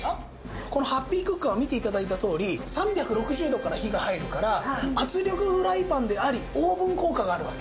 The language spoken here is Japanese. このハッピークッカーは見て頂いたとおり３６０度から火が入るから圧力フライパンでありオーブン効果があるわけ。